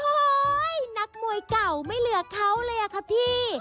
นักมวยเก่าไม่เหลือเขาเลยอะค่ะพี่